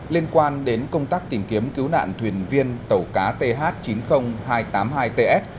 liên quan đến công tác tìm kiếm cứu nạn thuyền viên tàu cá th chín mươi nghìn hai trăm tám mươi hai ts